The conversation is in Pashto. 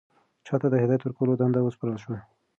چا ته د هدایت ورکولو دنده وسپارل شوه؟